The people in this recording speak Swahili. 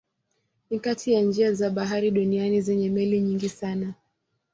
Ni kati ya njia za bahari duniani zenye meli nyingi sana.